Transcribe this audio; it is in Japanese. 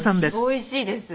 おいしいです。